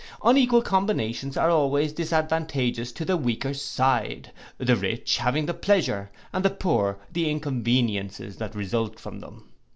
Unequal combinations are always disadvantageous to the weaker side: the rich having the pleasure, and the poor the inconveniencies that result from them.